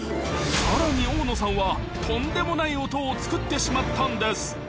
さらに大野さんは、とんでもない音を作ってしまったんです。